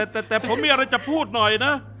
แต่ผมมีอะไรจะพูดหน่อยนะ